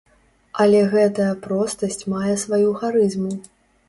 Але гэтая простасць мае сваю харызму.